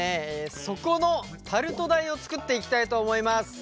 底のタルト台を作っていきたいと思います。